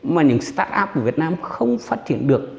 mà những start up của việt nam không phát triển được